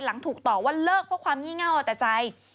หลังถูกตอบว่าเลิกเพราะความเงี่ยงเง่าเอาแต่ใจ